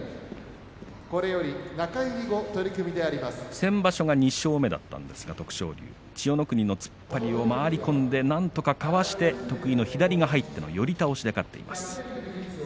先場所が２勝目だったんですが徳勝龍千代の国の突っ張りを回り込んでなんとかかわし得意の左が入っての寄り倒しで勝っています。